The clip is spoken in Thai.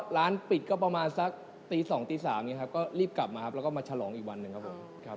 ร้านปิดก็ประมาณสักตี๒๓เรียบกลับมาแล้วก็มาฉลองอีกวันหนึ่งครับ